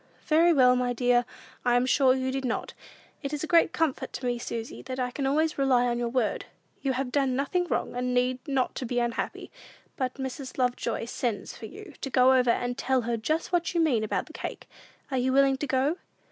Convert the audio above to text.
"Very well, my dear; I am sure you did not. It is a great comfort to me, Susy, that I can always rely on your word. You have done nothing wrong, and need not be unhappy; but Mrs. Lovejoy sends for you to go over and tell her just what you mean about the cake; are you willing to go?"